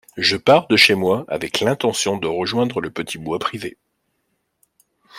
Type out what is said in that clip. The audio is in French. Je pars de chez moi avec l’intention de rejoindre le petit bois privé.